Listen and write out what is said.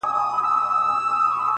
• ته يې بد ايسې،